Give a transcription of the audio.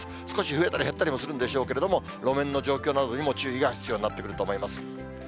少し増えたり減ったりもするんでしょうけれども、路面の状況などにも注意が必要になってくると思います。